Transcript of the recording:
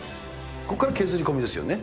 ここから削り込みですよね。